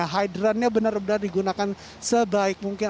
karena hydran nya benar benar digunakan sebaik mungkin